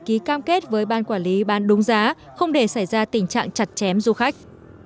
ký cam kết với ban quản lý bán đúng giá không để xảy ra tình trạng chặt chém du khách